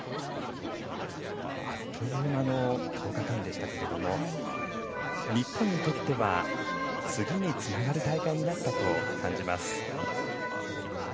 あっという間の１０日間でしたが日本にとっては次につながる大会になったと感じます。